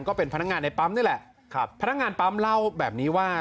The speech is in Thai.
ก็เป็นพนักงานในปั๊มนี่แหละครับพนักงานปั๊มเล่าแบบนี้ว่า